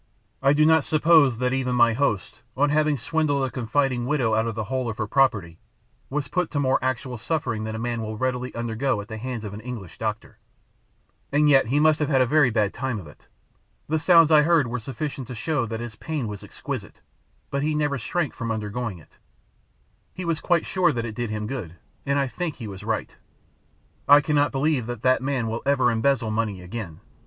I do not suppose that even my host, on having swindled a confiding widow out of the whole of her property, was put to more actual suffering than a man will readily undergo at the hands of an English doctor. And yet he must have had a very bad time of it. The sounds I heard were sufficient to show that his pain was exquisite, but he never shrank from undergoing it. He was quite sure that it did him good; and I think he was right. I cannot believe that that man will ever embezzle money again.